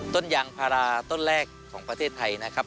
ต้นยางพาราต้นแรกของประเทศไทยนะครับ